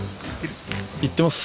行ってます。